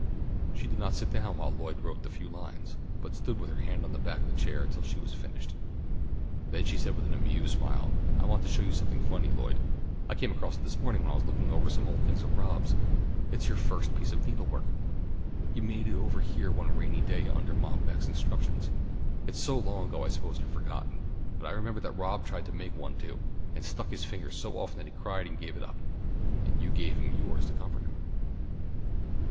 She did not sit down while Lloyd wrote the few lines, but stood with her hand on the back of the chair till she had finished. Then she said with an amused smile, "I want to show you something funny, Lloyd. I came across it this morning while I was looking over some old things of Rob's. It's your first piece of needlework. You made it over here one rainy day under Mom Beck's instructions. It's so long ago I suppose you've forgotten, but I remember that Rob tried to make one too, and stuck his fingers so often that he cried and gave it up, and you gave him yours to comfort him."